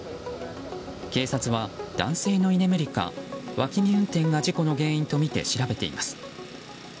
警察は男性の居眠りか脇見運転が事故の原因とみて調べています。